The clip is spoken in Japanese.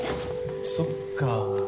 そっか。